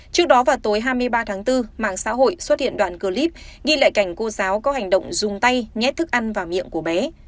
trước đó vào tối hai mươi ba tháng bốn mạng xã hội xuất hiện đoạn clip ghi lại cảnh cô giáo có hành động dùng tay nhét thức ăn và miệng của bé